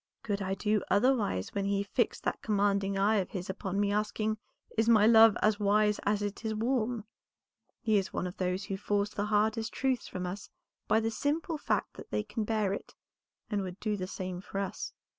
"Could I do otherwise when he fixed that commanding eye of his upon me asking, 'Is my love as wise as it is warm?' He is one of those who force the hardest truths from us by the simple fact that they can bear it, and would do the same for us.